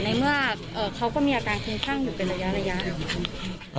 ในเมื่อเอ่อเขาก็มีอาการทิ้งข้างอยู่เป็นระยะระยะ